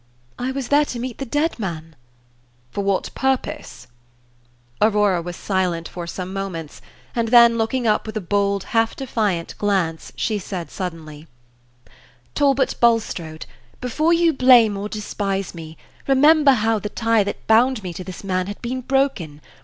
"I was there to meet the dead man." "For what purpose?" Aurora was silent for some moments, and then, looking up with a bold, half defiant glance, she said suddenly: "Talbot Bulstrode, before you blame or despise me, remember how the tie that bound me to this man had been broken.